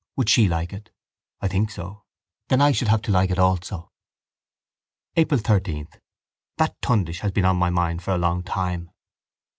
Would she like it? I think so. Then I should have to like it also. April 13. That tundish has been on my mind for a long time.